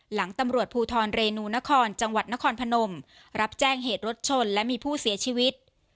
หลังตำรวจภูทรเรนูนครจังหวัดนครพนมรับแจ้งเหตุรถชนและมีผู้เสียชีวิต